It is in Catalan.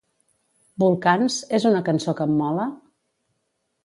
"Volcans" és una cançó que em mola?